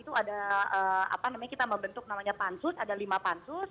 itu ada apa namanya kita membentuk namanya pansus ada lima pansus